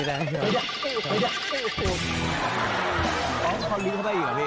ให้มุมกินเตรียมเลย